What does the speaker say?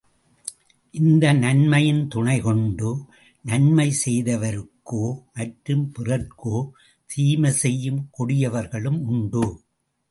இந்த நன்மையின் துணைகொண்டு, நன்மை செய்தவருக்கோ மற்றும் பிறர்க்கோ தீமை செய்யும் கொடியவர்களும் உண்டு.